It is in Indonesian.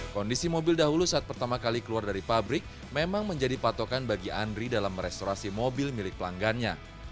kondisi mobil dahulu saat pertama kali keluar dari pabrik memang menjadi patokan bagi andri dalam merestorasi mobil milik pelanggannya